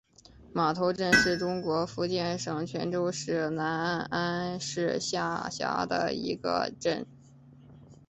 码头镇是中国福建省泉州市南安市下辖的一个镇。